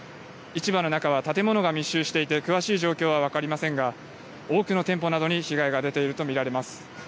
市場の中は建物が密集していて詳しい状況は分かりませんが、多くの店舗などに被害が出ていると見られます。